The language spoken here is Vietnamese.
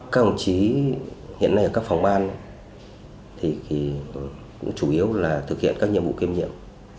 các ông chí hiện nay ở các phòng ban cũng chủ yếu là thực hiện các nhiệm vụ kiêm nhiệm